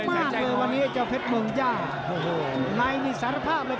เหลวมากเลยวันนี้เจ้าเพชรบรึงจ้าโอ้โหนายนี่สารภาพเลย